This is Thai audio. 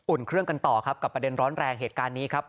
เครื่องกันต่อครับกับประเด็นร้อนแรงเหตุการณ์นี้ครับ